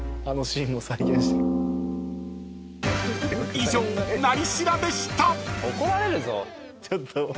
［以上「なり調」でした］